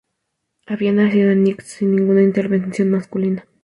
Había nacido de Nix, sin ninguna intervención masculina.